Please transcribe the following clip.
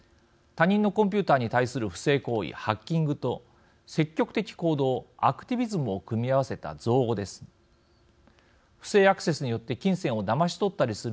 他人のコンピューターに対する不正行為「ハッキング」と積極的行動「アクティビズム」を組み合わせた造語です。